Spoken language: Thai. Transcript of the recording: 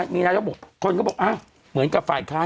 มีนายกบอกคนก็บอกเหมือนกับฝ่ายค้าน